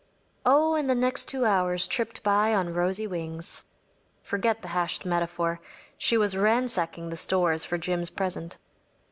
Oh, and the next two hours tripped by on rosy wings. Forget the hashed metaphor. She was ransacking the stores for Jim’s present.